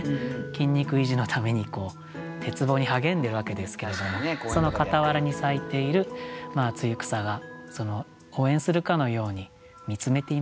筋肉維持のために鉄棒に励んでるわけですけれどもその傍らに咲いている露草が応援するかのように見つめていますよという。